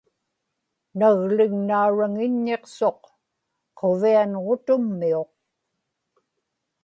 naglignauraŋiññiqsuq quvian-ġutummiuq